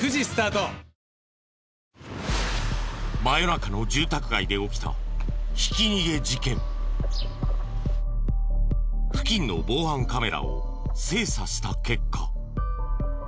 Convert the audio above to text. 真夜中の住宅街で起きた付近の防犯カメラを精査した結果。